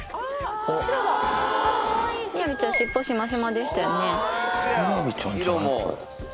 みやびちゃん、尻尾しましまでしたよね。